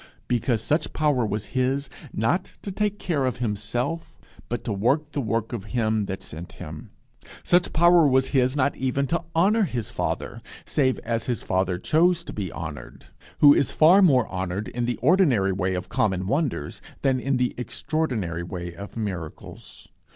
Because such power was his, not to take care of himself, but to work the work of him that sent him. Such power was his not even to honour his Father save as his Father chose to be honoured, who is far more honoured in the ordinary way of common wonders, than in the extraordinary way of miracles.